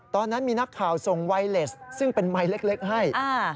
ตอนนั้นมีนักข่าวส่งไวเลสซึ่งเป็นไมค์เล็กให้